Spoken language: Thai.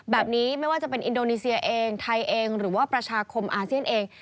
ไม่ว่าจะเป็นอินโดนีเซียเองไทยเองหรือว่าประชาคมอาเซียนเอง